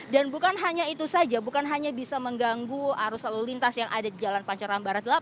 dan bukan hanya itu saja bukan hanya bisa mengganggu arus lalu lintas yang ada di jalan pancoran barat delapan